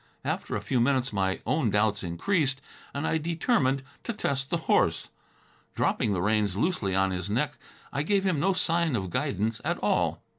After a few minutes my own doubts increased and I determined to test the horse. Dropping the reins loosely on his neck, I gave him no sign of guidance at all.